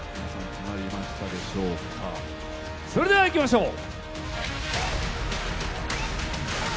それではいきましょう。